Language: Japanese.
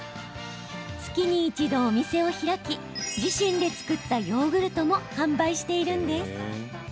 月に一度、お店を開き自身で作ったヨーグルトも販売しているんです。